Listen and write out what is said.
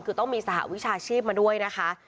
คือต้องมีสหวิชาชีพมาด้วยนะคะ